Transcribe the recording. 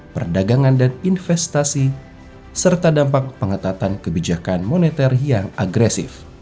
perdagangan dan investasi serta dampak pengetatan kebijakan moneter yang agresif